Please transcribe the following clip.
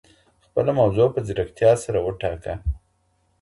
خپله موضوع په ځیرکتیا سره وټاکه.